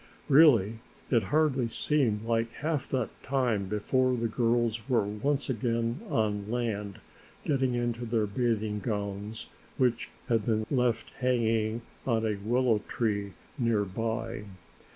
Really it hardly seemed like half that time before the four girls were once again on land getting into their bathing gowns which had been left hanging on a willow tree nearby.